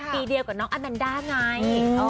ปีเดียวกับน้องอาแมนด้าไง